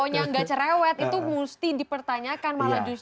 yang gak cerewet itu mesti dipertanyakan malah justru ya